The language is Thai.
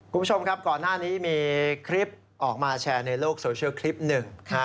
คุณผู้ชมครับก่อนหน้านี้มีคลิปออกมาแชร์ในโลกโซเชียลคลิปหนึ่ง